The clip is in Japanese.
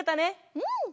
うん！